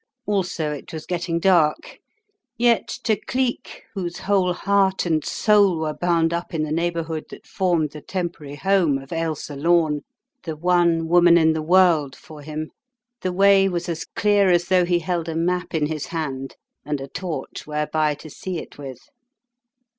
Also it was getting dark, yet to Cleek, whose whole heart and soul were bound up in the neighbourhood that formed the temporary home of Ailsa Lome, the one woman in the world for him, the way was as clear as though he held a map in his hand, and a torch whereby to see it with.